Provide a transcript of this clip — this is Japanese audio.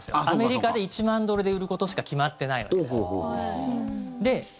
アメリカで１万ドルで売ることしか決まっていないわけです。